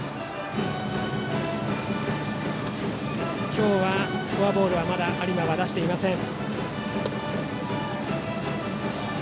今日はフォアボールはまだ有馬は出していません。